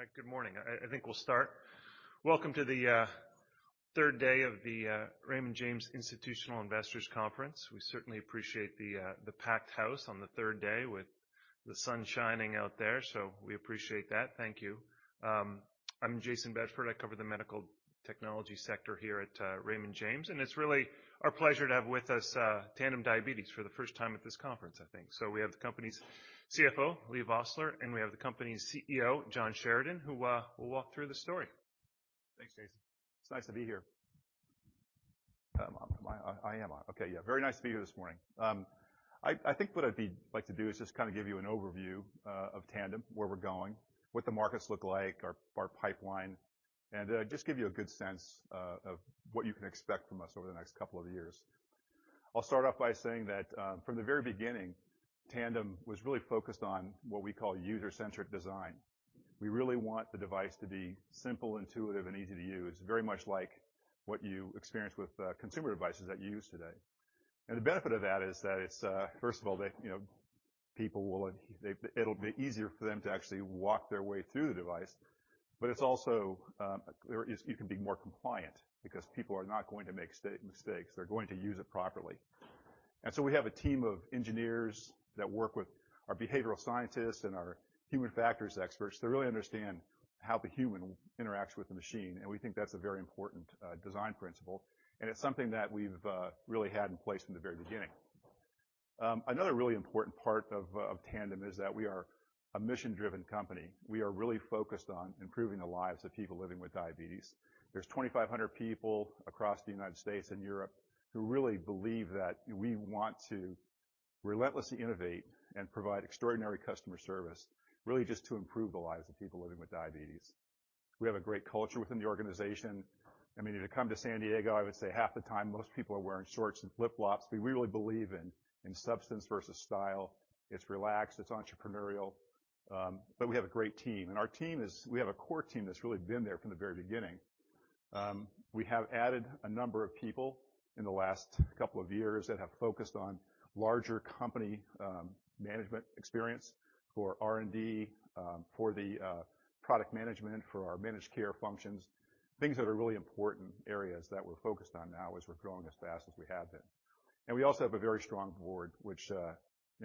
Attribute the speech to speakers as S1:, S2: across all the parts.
S1: All right. Good morning. I think we'll start. Welcome to the third day of the Raymond James Institutional Investors Conference. We certainly appreciate the packed house on the third day with the sun shining out there, so we appreciate that. Thank you. I'm Jayson Bedford. I cover the medical technology sector here at Raymond James, and it's really our pleasure to have with us Tandem Diabetes for the 1st time at this conference, I think. We have the company's CFO, Leigh Vossler, and we have the company's CEO, John Sheridan, who will walk through the story.
S2: Thanks, Jayson. It's nice to be here. I am on. Okay. Yeah, very nice to be here this morning. I think what I'd like to do is just kind of give you an overview of Tandem, where we're going, what the markets look like, our pipeline, and just give you a good sense of what you can expect from us over the next couple of years. I'll start off by saying that from the very beginning, Tandem was really focused on what we call user-centric design. We really want the device to be simple, intuitive, and easy to use. Very much like what you experience with consumer devices that you use today. The benefit of that is that it's, first of all, that, you know, people will.. It'll be easier for them to actually walk their way through the device. It's also, You can be more compliant because people are not going to make mistakes. They're going to use it properly. We have a team of engineers that work with our behavioral scientists and our human factors experts to really understand how the human interacts with the machine. We think that's a very important design principle, and it's something that we've really had in place from the very beginning. Another really important part of Tandem is that we are a mission-driven company. We are really focused on improving the lives of people living with diabetes. There's 2,500 people across the United States and Europe who really believe that we want to relentlessly innovate and provide extraordinary customer service, really just to improve the lives of people living with diabetes. We have a great culture within the organization. I mean, if you come to San Diego, I would say half the time, most people are wearing shorts and flip-flops. We really believe in substance versus style. It's relaxed, it's entrepreneurial, but we have a great team. We have a core team that's really been there from the very beginning. We have added a number of people in the last couple of years that have focused on larger company, management experience for R&D, for the product management, for our managed care functions. Things that are really important areas that we're focused on now as we're growing as fast as we have been. We also have a very strong board, which, you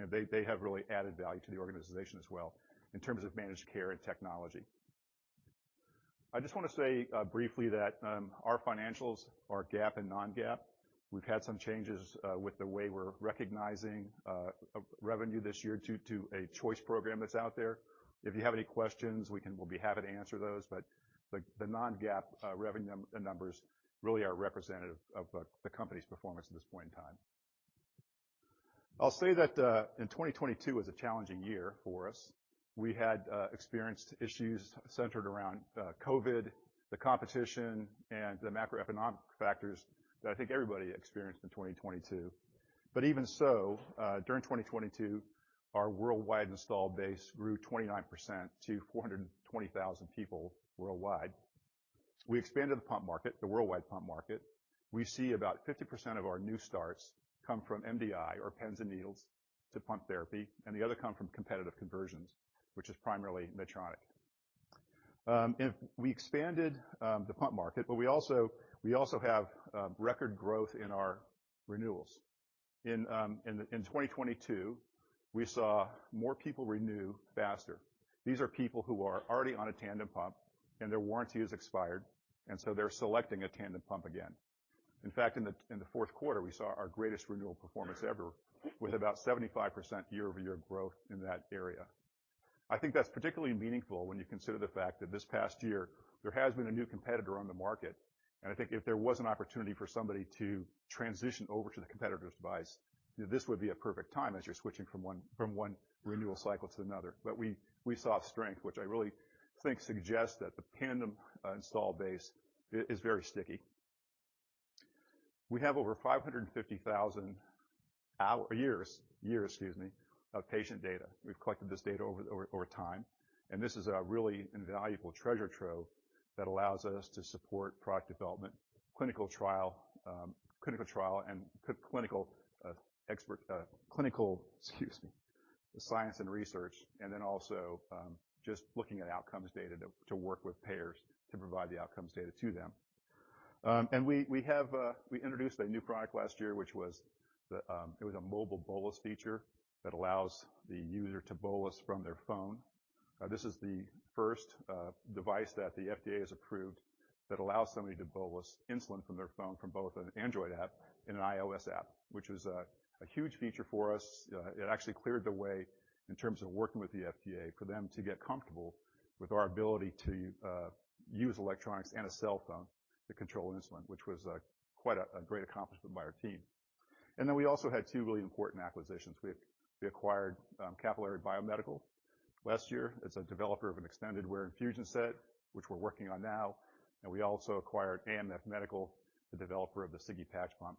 S2: know, they have really added value to the organization as well in terms of managed care and technology. I just wanna say briefly that our financials are GAAP and non-GAAP. We've had some changes with the way we're recognizing revenue this year due to a choice program that's out there. If you have any questions, we'll be happy to answer those. The non-GAAP revenue numbers really are representative of the company's performance at this point in time. I'll say that, and 2022 was a challenging year for us. We had experienced issues centered around COVID, the competition, and the macroeconomic factors that I think everybody experienced in 2022. Even so, during 2022, our worldwide installed base grew 29% to 420,000 people worldwide. We expanded the pump market, the worldwide pump market. We see about 50% of our new starts come from MDI or pens and needles to pump therapy, and the other come from competitive conversions, which is primarily Medtronic. We expanded the pump market, but we also have record growth in our renewals. In 2022, we saw more people renew faster. These are people who are already on a Tandem pump, and their warranty is expired, and so they're selecting a Tandem pump again. In fact, in the fourth quarter, we saw our greatest renewal performance ever with about 75% year-over-year growth in that area. I think that's particularly meaningful when you consider the fact that this past year there has been a new competitor on the market. I think if there was an opportunity for somebody to transition over to the competitor's device, this would be a perfect time as you're switching from one renewal cycle to another. We saw strength, which I really think suggests that the Tandem install base is very sticky. We have over 550,000 years, excuse me, of patient data. We've collected this data over time. This is a really invaluable treasure trove that allows us to support product development, clinical trial and clinical expert, excuse me, science and research. Also, just looking at outcomes data to work with payers to provide the outcomes data to them. We have, we introduced a new product last year, which was the... It was a Mobile Bolus feature that allows the user to bolus from their phone. This is the first device that the FDA has approved that allows somebody to bolus insulin from their phone from both an Android app and an iOS app, which is a huge feature for us. It actually cleared the way in terms of working with the FDA, for them to get comfortable with our ability to use electronics and a cell phone to control insulin, which was quite a great accomplishment by our team. We also had two really important acquisitions. We acquired Capillary Biomedical last year. It's a developer of an Extended Wear Infusion Set, which we're working on now. We also acquired AMF Medical, the developer of the Sigi Patch Pump,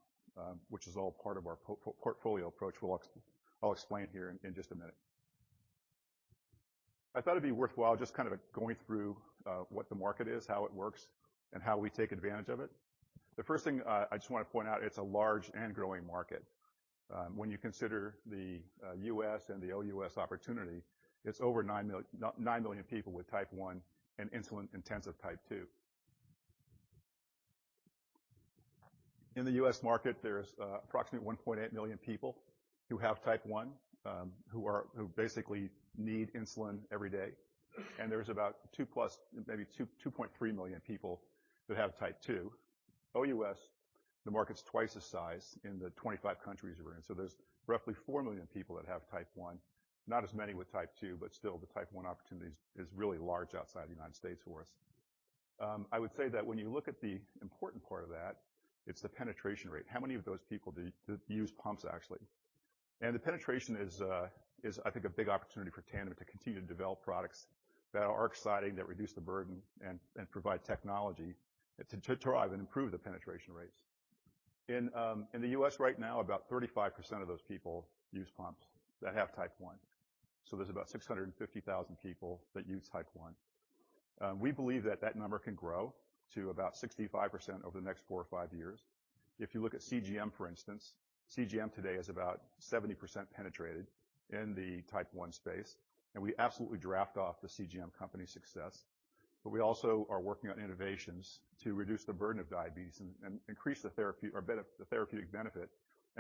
S2: which is all part of our portfolio approach, which I'll explain here in just a minute. I thought it'd be worthwhile just kind of going through what the market is, how it works, and how we take advantage of it. The first thing I just want to point out, it's a large and growing market. When you consider the U.S. and the OUS opportunity, it's over 9 million people with Type 1 and insulin-intensive Type 2. In the U.S. market, there's approximately 1.8 million people who have Type 1, who basically need insulin every day. There's about 2+ million, maybe 2.3 million people that have Type 2. OUS, the market's twice the size in the 25 countries we're in. There's roughly 4 million people that have Type 1. Not as many with Type 2, still the Type 1 opportunity is really large outside the United States for us. I would say that when you look at the important part of that, it's the penetration rate. How many of those people use pumps actually? The penetration is, I think a big opportunity for Tandem to continue to develop products that are exciting, that reduce the burden and provide technology to drive and improve the penetration rates. In the U.S. right now, about 35% of those people use pumps that have Type 1. There's about 650,000 people that use Type 1. We believe that that number can grow to about 65% over the next four or five years. If you look at CGM, for instance, CGM today is about 70% penetrated in the Type 1 space, and we absolutely draft off the CGM company success. We also are working on innovations to reduce the burden of diabetes and increase the therapeutic benefit.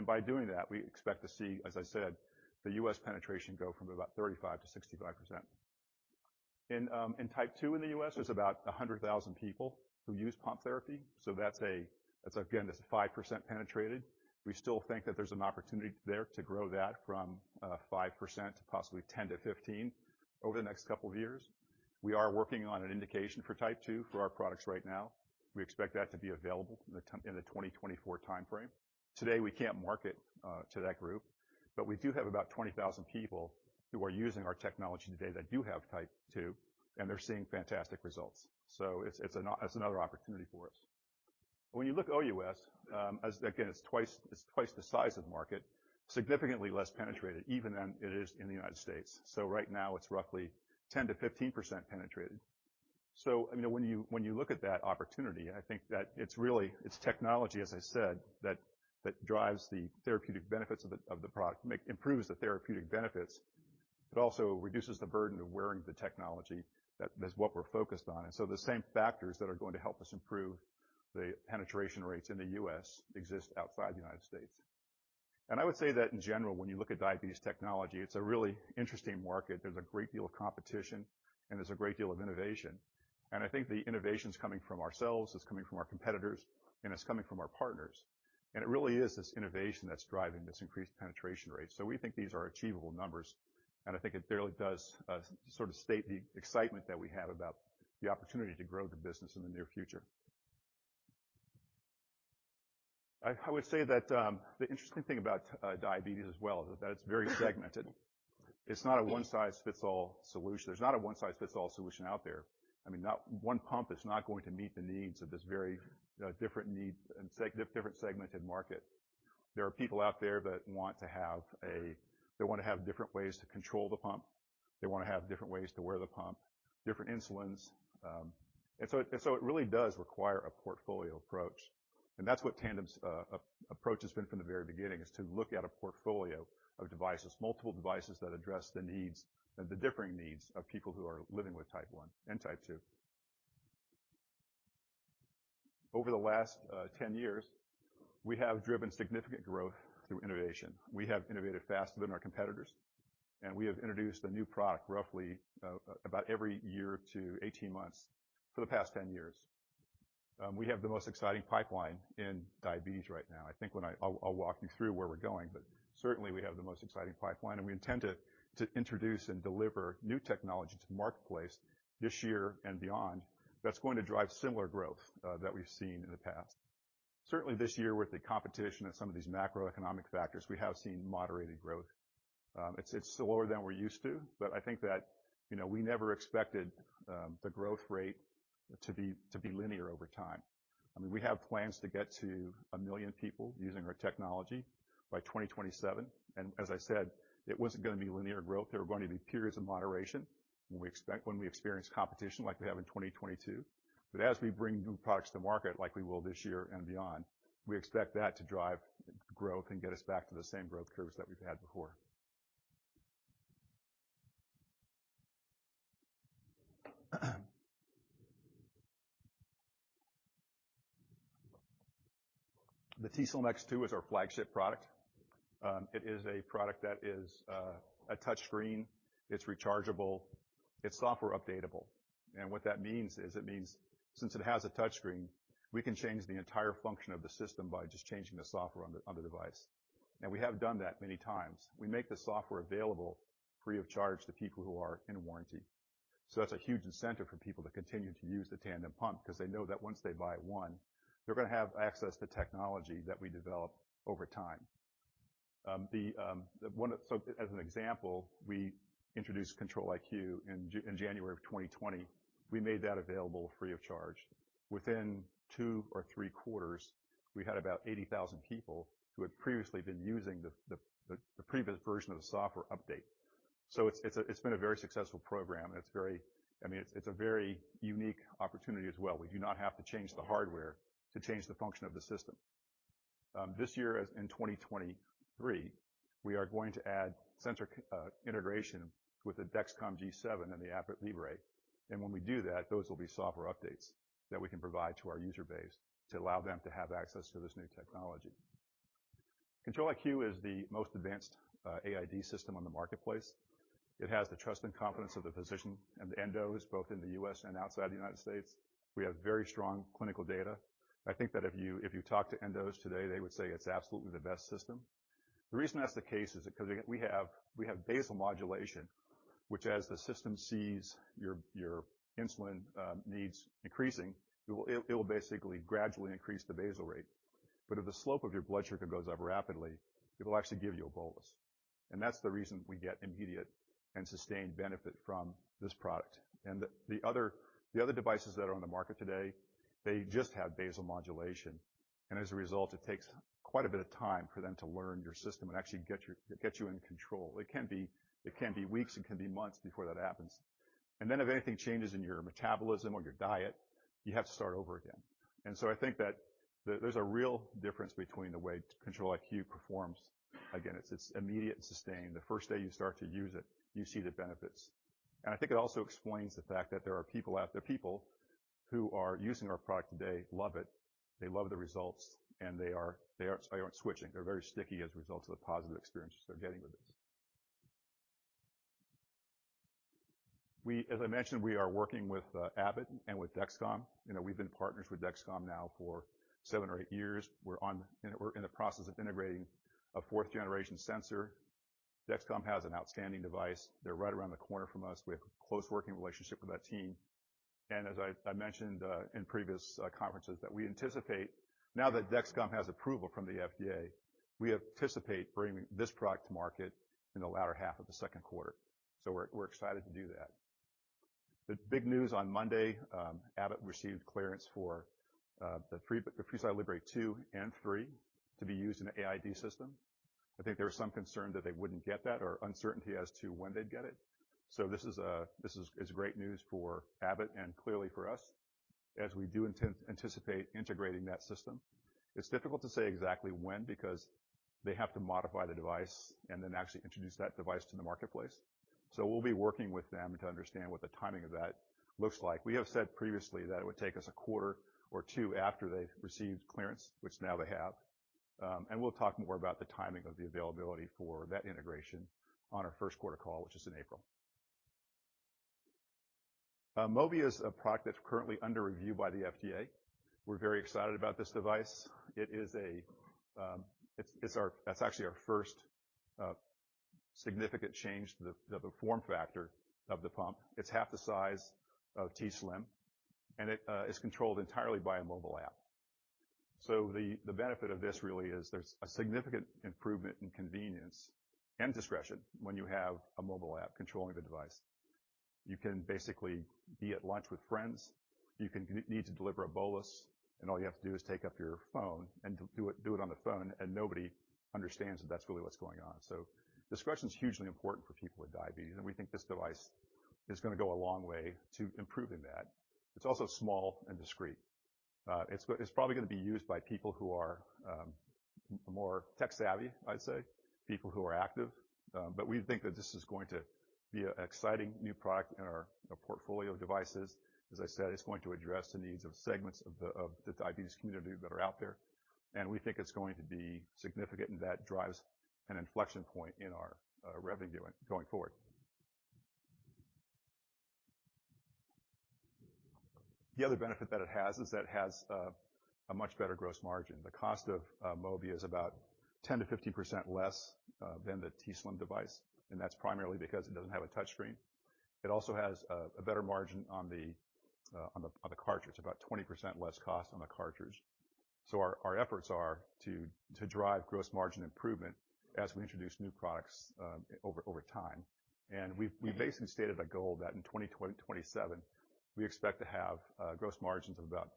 S2: By doing that, we expect to see, as I said, the U.S. penetration go from about 35%-65%. In Type 2 in the U.S., there's about 100,000 people who use pump therapy. That's again, that's 5% penetrated. We still think that there's an opportunity there to grow that from 5% to possibly 10%-15% over the next couple of years. We are working on an indication for Type 2 for our products right now. We expect that to be available in the 2024 timeframe. Today, we can't market to that group, but we do have about 20,000 people who are using our technology today that do have Type 2, and they're seeing fantastic results. It's another opportunity for us. When you look OUS, as again, it's twice the size of the market, significantly less penetrated even than it is in the United States. Right now it's roughly 10%-15% penetrated. I mean, when you look at that opportunity, I think that it's really, it's technology, as I said, that drives the therapeutic benefits of the product, improves the therapeutic benefits. It also reduces the burden of wearing the technology. That is what we're focused on. The same factors that are going to help us improve the penetration rates in the US exist outside the United States. I would say that in general, when you look at diabetes technology, it's a really interesting market. There's a great deal of competition, and there's a great deal of innovation. I think the innovation's coming from ourselves, it's coming from our competitors, and it's coming from our partners. It really is this innovation that's driving this increased penetration rate. We think these are achievable numbers, and I think it really does sort of state the excitement that we have about the opportunity to grow the business in the near future. I would say that the interesting thing about diabetes as well is that it's very segmented. It's not a one-size-fits-all solution. There's not a one-size-fits-all solution out there. I mean, not one pump is not going to meet the needs of this very different need and different segmented market. There are people out there that want to have different ways to control the pump. They want to have different ways to wear the pump, different insulins. It really does require a portfolio approach. That's what Tandem's approach has been from the very beginning, is to look at a portfolio of devices, multiple devices that address the needs and the differing needs of people who are living with Type 1 and Type 2. Over the last 10 years, we have driven significant growth through innovation. We have innovated faster than our competitors, and we have introduced a new product roughly about every year to 18 months for the past 10 years. We have the most exciting pipeline in diabetes right now. I think I'll walk you through where we're going, but certainly, we have the most exciting pipeline, and we intend to introduce and deliver new technology to the marketplace this year and beyond that's going to drive similar growth that we've seen in the past. Certainly this year, with the competition and some of these macroeconomic factors, we have seen moderated growth. It's slower than we're used to, but I think that, you know, we never expected the growth rate to be linear over time. I mean, we have plans to get to 1 million people using our technology by 2027. As I said, it wasn't going to be linear growth. There were going to be periods of moderation when we experience competition like we have in 2022. As we bring new products to market like we will this year and beyond, we expect that to drive growth and get us back to the same growth curves that we've had before. The t:slim X2 is our flagship product. It is a product that is a touchscreen, it's rechargeable, it's software updatable. What that means is, it means since it has a touchscreen, we can change the entire function of the system by just changing the software on the device. We have done that many times. We make the software available free of charge to people who are in warranty. That's a huge incentive for people to continue to use the Tandem pump 'cause they know that once they buy one, they're gonna have access to technology that we develop over time. As an example, we introduced Control-IQ in January of 2020. We made that available free of charge. Within two or three quarters, we had about 80,000 people who had previously been using the previous version of the software update. It's been a very successful program. I mean, it's a very unique opportunity as well. We do not have to change the hardware to change the function of the system. This year, as in 2023, we are going to add sensor integration with the Dexcom G7 and the Abbott Libre. When we do that, those will be software updates that we can provide to our user base to allow them to have access to this new technology. Control-IQ is the most advanced AID system on the marketplace. It has the trust and confidence of the physician and the endos, both in the U.S. and outside the United States. We have very strong clinical data. I think that if you talk to endos today, they would say it's absolutely the best system. The reason that's the case is because we have basal modulation, which as the system sees your insulin needs increasing, it will basically gradually increase the basal rate. If the slope of your blood sugar goes up rapidly, it'll actually give you a bolus. That's the reason we get immediate and sustained benefit from this product. The other devices that are on the market today, they just have basal modulation, and as a result, it takes quite a bit of time for them to learn your system and actually get you in control. It can be weeks, it can be months before that happens. If anything changes in your metabolism or your diet, you have to start over again. I think that there's a real difference between the way Control-IQ performs. Again, it's immediate and sustained. The first day you start to use it, you see the benefits. I think it also explains the fact that there are people who are using our product today love it. They love the results, and they are switching. They're very sticky as a result of the positive experiences they're getting with this. As I mentioned, we are working with Abbott and with Dexcom. You know, we've been partners with Dexcom now for seven or eight years. We're in the process of integrating a fourth generation sensor. Dexcom has an outstanding device. They're right around the corner from us. We have a close working relationship with that team. As I mentioned in previous conferences, that we anticipate... Now that Dexcom has approval from the FDA, we anticipate bringing this product to market in the latter half of the second quarter. We're excited to do that. The big news on Monday, Abbott received clearance for the FreeStyle Libre 2 and 3 to be used in the AID system. I think there was some concern that they wouldn't get that or uncertainty as to when they'd get it. This is great news for Abbott and clearly for us as we do anticipate integrating that system. It's difficult to say exactly when because they have to modify the device and then actually introduce that device to the marketplace. We'll be working with them to understand what the timing of that looks like. We have said previously that it would take us a quarter or two after they've received clearance, which now they have. We'll talk more about the timing of the availability for that integration on our first quarter call, which is in April. Mobi is a product that's currently under review by the FDA. We're very excited about this device. It is a... It's That's actually our first significant change to the form factor of the pump. It's half the size of t:slim, and it is controlled entirely by a mobile app. The benefit of this really is there's a significant improvement in convenience and discretion when you have a mobile app controlling the device. You can basically be at lunch with friends. You need to deliver a bolus, and all you have to do is take up your phone and do it on the phone, and nobody understands that's really what's going on. Discretion is hugely important for people with diabetes, and we think this device is gonna go a long way to improving that. It's also small and discreet. It's probably gonna be used by people who are more tech-savvy, I'd say, people who are active. We think that this is going to be an exciting new product in our portfolio of devices. As I said, it's going to address the needs of segments of the diabetes community that are out there. We think it's going to be significant, and that drives an inflection point in our revenue going forward. The other benefit that it has is that it has a much better gross margin. The cost of Mobi is about 10%-15% less than the t:slim device, and that's primarily because it doesn't have a touchscreen. It also has a better margin on the cartridge, about 20% less cost on the cartridge. Our efforts are to drive gross margin improvement as we introduce new products over time. We basically stated a goal that in 2027, we expect to have gross margins of about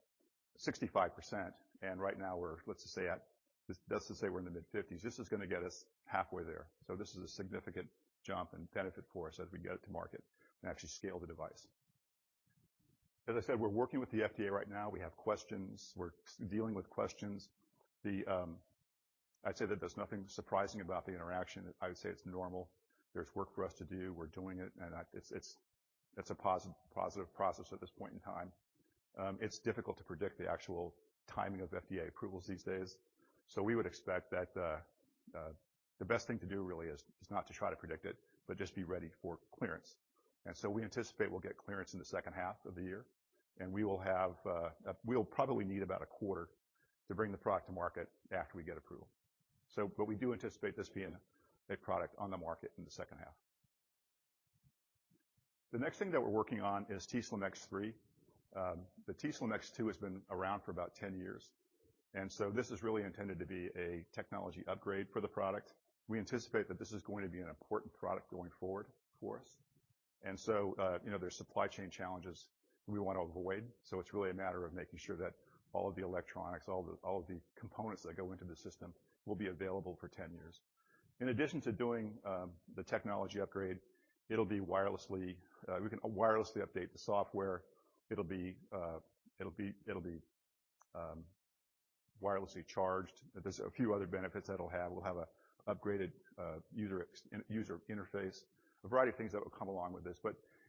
S2: 65%. Right now we're in the mid-fifties. This is gonna get us halfway there. This is a significant jump and benefit for us as we go to market and actually scale the device. As I said, we're working with the FDA right now. We have questions. We're dealing with questions. The. I'd say that there's nothing surprising about the interaction. I would say it's normal. There's work for us to do. We're doing it. It's a positive process at this point in time. It's difficult to predict the actual timing of FDA approvals these days. We would expect that the best thing to do really is not to try to predict it, but just be ready for clearance. We anticipate we'll get clearance in the second half of the year, and we will have, we'll probably need about a quarter to bring the product to market after we get approval. We do anticipate this being a product on the market in the second half. The next thing that we're working on is t:slim X3. The t:slim X2 has been around for about 10 years, this is really intended to be a technology upgrade for the product. We anticipate that this is going to be an important product going forward for us. And, you know, there's supply chain challenges we want to avoid. It's really a matter of making sure that all of the electronics, all of the components that go into the system will be available for 10 years. In addition to doing the technology upgrade, it'll be wirelessly, we can wirelessly update the software. It'll be wirelessly charged. There's a few other benefits that it'll have. We'll have a upgraded user interface, a variety of things that will come along with this.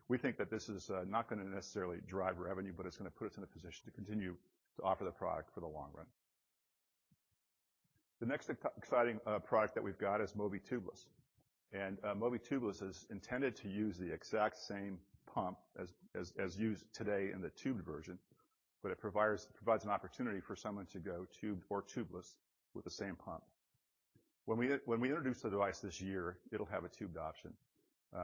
S2: We think that this is not gonna necessarily drive revenue, but it's gonna put us in a position to continue to offer the product for the long run. The next exciting product that we've got is Mobi Tubeless. Mobi Tubeless is intended to use the exact same pump as used today in the tubed version, but it provides an opportunity for someone to go tubed or tubeless with the same pump. When we introduce the device this year, it'll have a tubed option,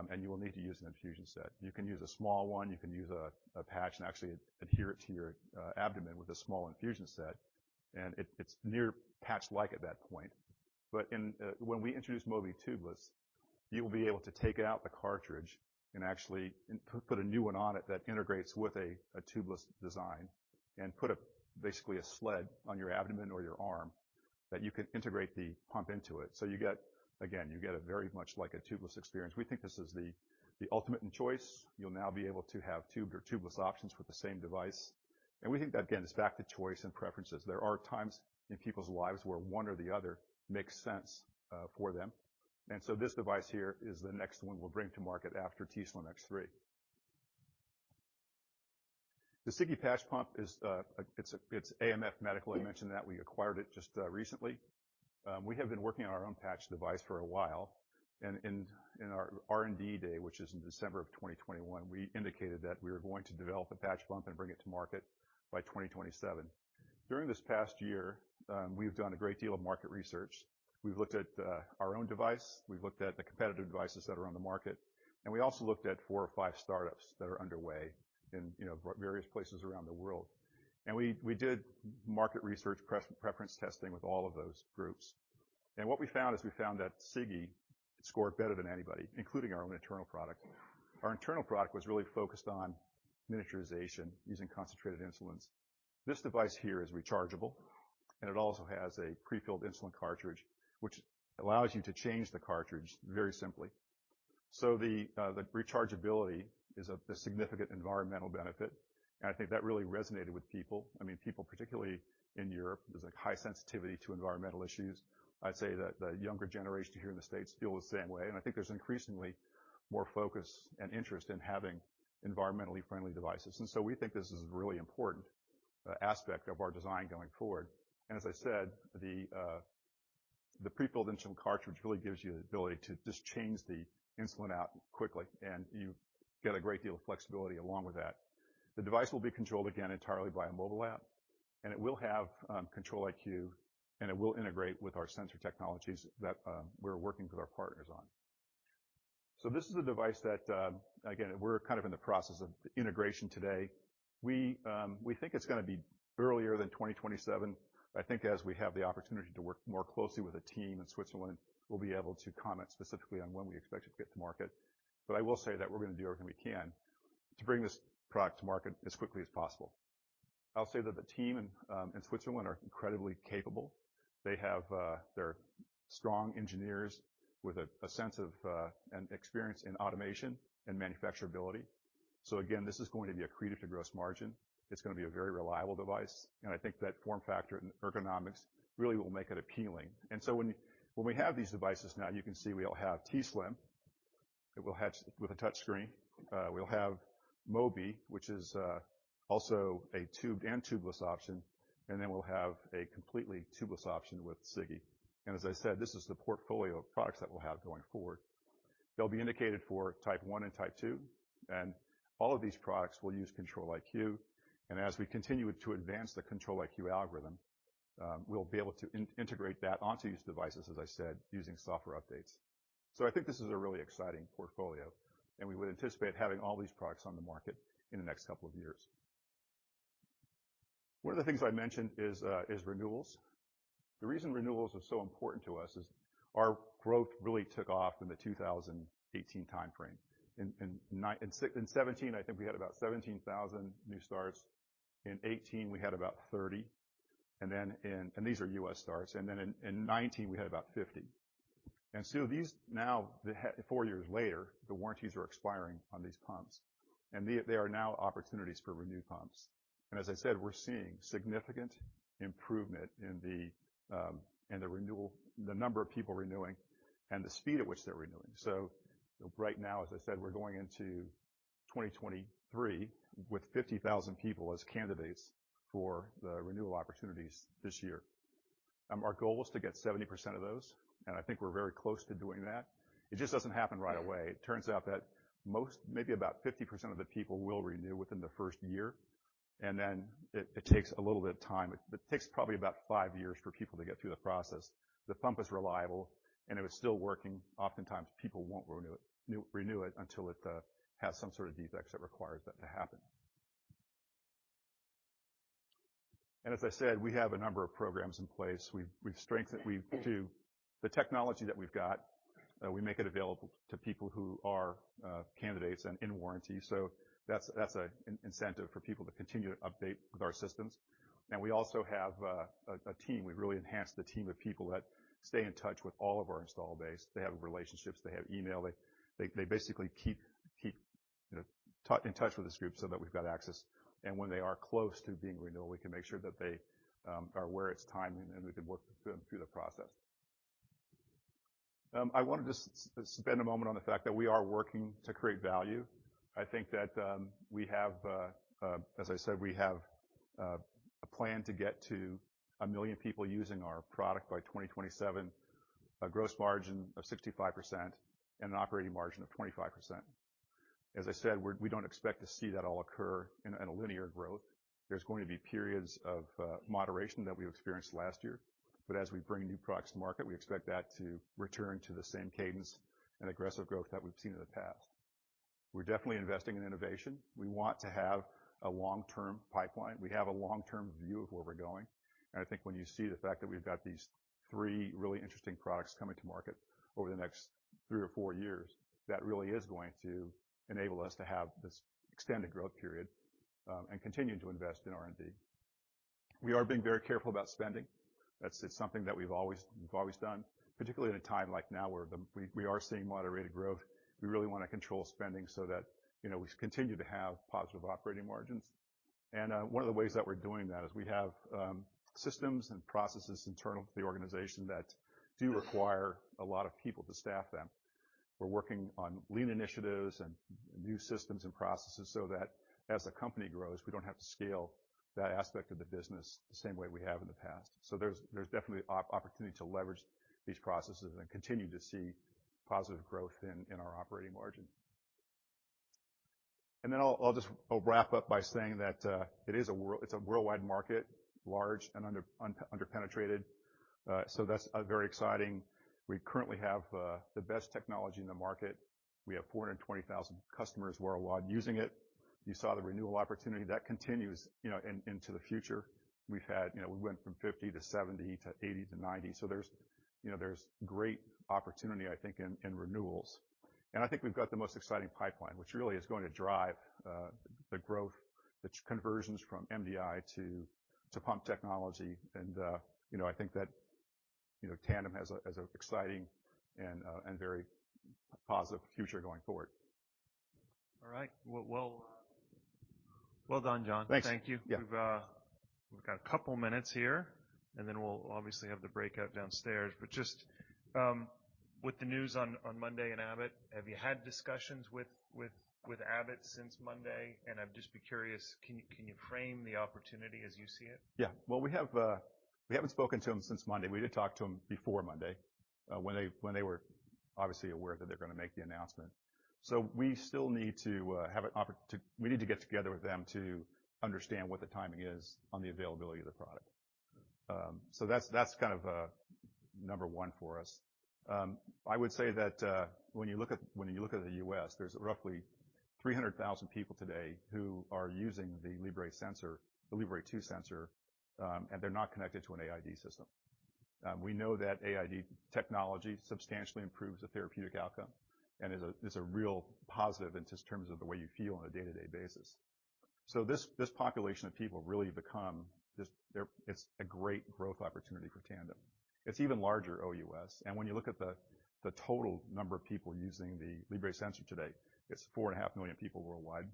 S2: and you will need to use an infusion set. You can use a small one, you can use a patch and actually adhere it to your abdomen with a small infusion set, and it's near patch-like at that point. In when we introduce Mobi Tubeless, you'll be able to take out the cartridge and actually put a new one on it that integrates with a tubeless design and put a basically a sled on your abdomen or your arm that you can integrate the pump into it. You get, again, you get a very much like a tubeless experience. We think this is the ultimate in choice. You'll now be able to have tubed or tubeless options with the same device. We think that, again, it's back to choice and preferences. There are times in people's lives where one or the other makes sense for them. This device here is the next one we'll bring to market after t:slim X3. The Sigi Patch Pump is it's AMF Medical. I mentioned that we acquired it just recently. We have been working on our own patch device for a while, and in our R&D day, which is in December of 2021, we indicated that we were going to develop a patch pump and bring it to market by 2027. During this past year, we've done a great deal of market research. We've looked at our own device. We've looked at the competitive devices that are on the market. We also looked at 4 or 5 startups that are underway in, you know, various places around the world. We did market research pre-preference testing with all of those groups. What we found is we found that Sigi scored better than anybody, including our own internal product. Our internal product was really focused on miniaturization using concentrated insulins. This device here is rechargeable, and it also has a prefilled insulin cartridge, which allows you to change the cartridge very simply. The rechargeability is a significant environmental benefit. I think that really resonated with people. I mean, people particularly in Europe, there's a high sensitivity to environmental issues. I'd say that the younger generation here in the States feel the same way, and I think there's increasingly more focus and interest in having environmentally friendly devices. We think this is a really important aspect of our design going forward. As I said, the prefilled insulin cartridge really gives you the ability to just change the insulin out quickly, and you get a great deal of flexibility along with that. The device will be controlled again entirely by a mobile app, and it will have Control-IQ, and it will integrate with our sensor technologies that we're working with our partners on. This is a device that again, we're kind of in the process of integration today. We think it's gonna be earlier than 2027. I think as we have the opportunity to work more closely with a team in Switzerland, we'll be able to comment specifically on when we expect it to get to market. I will say that we're gonna do everything we can to bring this product to market as quickly as possible. I'll say that the team in Switzerland are incredibly capable. They have, they're strong engineers with a sense of an experience in automation and manufacturability. Again, this is going to be accretive to gross margin. It's gonna be a very reliable device. I think that form factor and ergonomics really will make it appealing. When we have these devices, now you can see we'll have t:slim. It will have with a touch screen. We'll have Mobi, which is also a tubed and tubeless option. Then we'll have a completely tubeless option with Sigi. As I said, this is the portfolio of products that we'll have going forward. They'll be indicated for Type 1 and Type 2. All of these products will use Control-IQ. As we continue to advance the Control-IQ algorithm, we'll be able to integrate that onto these devices, as I said, using software updates. I think this is a really exciting portfolio, and we would anticipate having all these products on the market in the next couple of years. One of the things I mentioned is renewals. The reason renewals are so important to us is our growth really took off in the 2018 timeframe. In 2017, I think we had about 17,000 new starts. In 2018, we had about 30,000. These are U.S. starts. In 2019, we had about 50,000. These now, four years later, the warranties are expiring on these pumps, and they are now opportunities for renewed pumps. As I said, we're seeing significant improvement in the number of people renewing and the speed at which they're renewing. Right now, as I said, we're going into 2023 with 50,000 people as candidates for the renewal opportunities this year. Our goal is to get 70% of those, and I think we're very close to doing that. It just doesn't happen right away. It turns out that most, maybe about 50% of the people will renew within the first year, and then it takes a little bit of time. It takes probably about five years for people to get through the process. The pump is reliable, and it was still working. Oftentimes, people won't renew it until it has some sort of defects that requires that to happen. As I said, we have a number of programs in place. We've strengthened we to the technology that we've got. We make it available to people who are candidates and in warranty. That's a incentive for people to continue to update with our systems. We also have a team. We've really enhanced the team of people that stay in touch with all of our install base. They have relationships. They have email. They basically keep, you know, in touch with this group so that we've got access. When they are close to being renewal, we can make sure that they are where it's time and we can work them through the process. I want to just spend a moment on the fact that we are working to create value. I think that we have, as I said, we have a plan to get to 1 million people using our product by 2027, a gross margin of 65% and an operating margin of 25%. As I said, we don't expect to see that all occur in a, in a linear growth. There's going to be periods of moderation that we experienced last year. As we bring new products to market, we expect that to return to the same cadence and aggressive growth that we've seen in the past. We're definitely investing in innovation. We want to have a long-term pipeline. We have a long-term view of where we're going. I think when you see the fact that we've got these three really interesting products coming to market over the next three or four years, that really is going to enable us to have this extended growth period, and continue to invest in R&D. We are being very careful about spending. That's something that we've always done, particularly in a time like now, where we are seeing moderated growth. We really wanna control spending so that, you know, we continue to have positive operating margins. One of the ways that we're doing that is we have systems and processes internal to the organization that do require a lot of people to staff them. We're working on lean initiatives and new systems and processes so that as the company grows, we don't have to scale that aspect of the business the same way we have in the past. There's definitely opportunity to leverage these processes and continue to see positive growth in our operating margin. I'll wrap up by saying that it is a worldwide market, large and under-penetrated. That's very exciting. We currently have the best technology in the market. We have 420,000 customers worldwide using it. You saw the renewal opportunity. That continues, you know, into the future. We've had... You know, we went from 50 to 70 to 80 to 90. There's, you know, there's great opportunity, I think, in renewals. I think we've got the most exciting pipeline, which really is going to drive the growth, the conversions from MDI to pump technology. You know, I think that, you know, Tandem has a exciting and very positive future going forward.
S1: All right. Well, well, well done, John.
S2: Thanks.
S1: Thank you.
S2: Yeah.
S1: We've got a couple of minutes here, and then we'll obviously have the breakout downstairs. Just, with the news on Monday and Abbott, have you had discussions with Abbott since Monday? I'd just be curious, can you frame the opportunity as you see it?
S2: Well, we haven't spoken to them since Monday. We did talk to them before Monday, when they were obviously aware that they're going to make the announcement. We still need to get together with them to understand what the timing is on the availability of the product. That's kind of number one for us. I would say that when you look at the U.S., there's roughly 300,000 people today who are using the FreeStyle Libre sensor, the FreeStyle Libre 2 sensor, and they're not connected to an AID system. We know that AID technology substantially improves the therapeutic outcome and is a real positive in just terms of the way you feel on a day-to-day basis. This population of people really become this. It's a great growth opportunity for Tandem. It's even larger OUS. When you look at the total number of people using the Libre sensor today, it's 4.5 million people worldwide.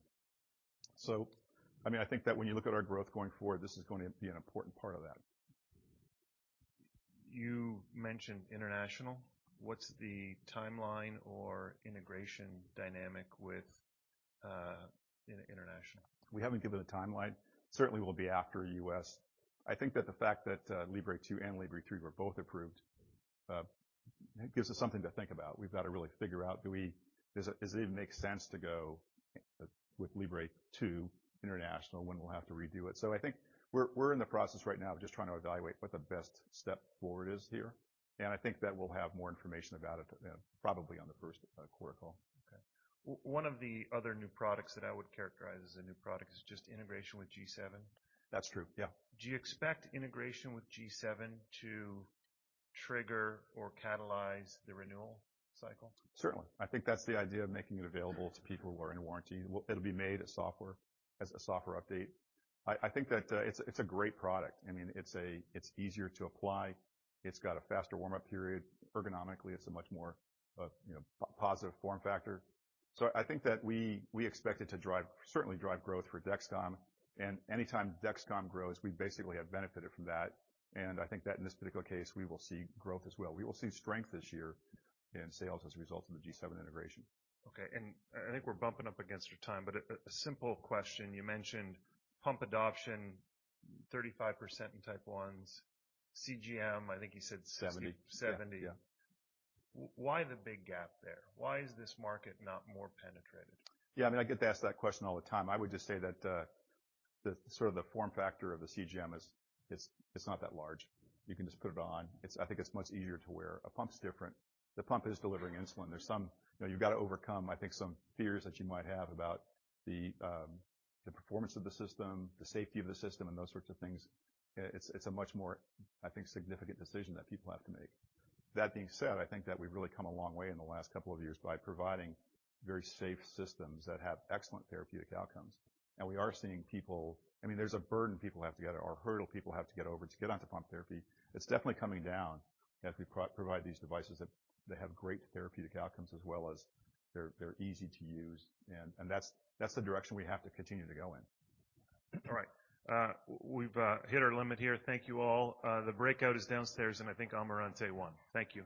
S2: I mean, I think that when you look at our growth going forward, this is going to be an important part of that.
S1: You mentioned international. What's the timeline or integration dynamic with, in international?
S2: We haven't given a timeline. Certainly will be after U.S. I think that the fact that FreeStyle Libre 2 and FreeStyle Libre 3 were both approved, gives us something to think about. We've got to really figure out, does it even make sense to go with FreeStyle Libre 2 international when we'll have to redo it? I think we're in the process right now of just trying to evaluate what the best step forward is here. I think that we'll have more information about it, probably on the first quarter call.
S1: Okay. One of the other new products that I would characterize as a new product is just integration with G7.
S2: That's true. Yeah.
S1: Do you expect integration with G7 to trigger or catalyze the renewal cycle?
S2: Certainly. I think that's the idea of making it available to people who are in warranty. It'll be made as a software update. I think that it's a great product. I mean, it's easier to apply. It's got a faster warm-up period. Ergonomically, it's a much more, you know, positive form factor. I think that we expect it to certainly drive growth for Dexcom. Anytime Dexcom grows, we basically have benefited from that. I think that in this particular case, we will see growth as well. We will see strength this year in sales as a result of the G7 integration.
S1: Okay. I think we're bumping up against your time, but a simple question. You mentioned pump adoption, 35% in Type 1s. CGM, I think you said 60-
S2: 70
S1: 7
S2: Yeah. Yeah.
S1: Why the big gap there? Why is this market not more penetrated?
S2: Yeah, I mean, I get asked that question all the time. I w ould just say that the sort of the form factor of a CGM is it's not that large. You can just put it on. I think it's much easier to wear. A pump's different. The pump is delivering insulin. You know, you've got to overcome, I think, some fears that you might have about the performance of the system, the safety of the system, and those sorts of things. It's a much more, I think, significant decision that people have to make. That being said, I think that we've really come a long way in the last couple of years by providing very safe systems that have excellent therapeutic outcomes. We are seeing people... I mean, there's a burden people have to get or hurdle people have to get over to get onto pump therapy. It's definitely coming down as we provide these devices that have great therapeutic outcomes as well as they're easy to use. That's the direction we have to continue to go in.
S1: All right. We've hit our limit here. Thank you all. The breakout is downstairs, and I think Amirante one. Thank you.